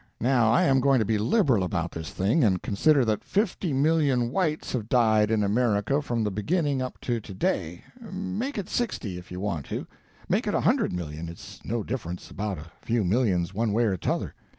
Now I am going to be liberal about this thing, and consider that fifty million whites have died in America from the beginning up to to day—make it sixty, if you want to; make it a hundred million—it's no difference about a few millions one way or t'other.